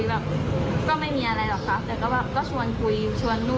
แบบอย่างไรน่ะเขาก็ไปบ้านหนู